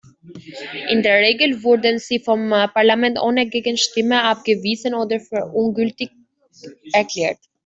In der Regel wurden sie vom Parlament ohne Gegenstimme abgewiesen oder für ungültig erklärt.